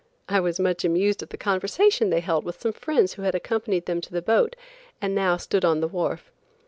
I was much amused at the conversation they held with some friends who had accompanied them to the boat, and now stood on the wharf.